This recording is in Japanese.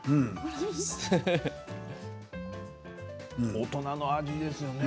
大人の味ですよね。